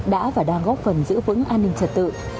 đã và đang góp phần giữ vững an ninh trật tự